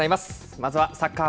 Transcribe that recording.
まずはサッカー